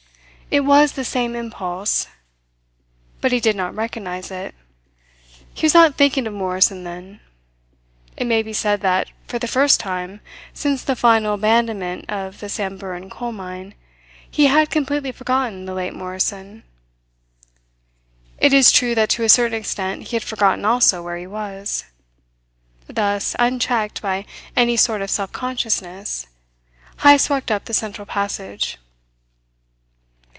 It was the same impulse. But he did not recognize it. He was not thinking of Morrison then. It may be said that, for the first time since the final abandonment of the Samburan coal mine, he had completely forgotten the late Morrison. It is true that to a certain extent he had forgotten also where he was. Thus, unchecked by any sort of self consciousness, Heyst walked up the central passage.